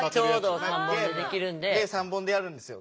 ３本でやるんですよ。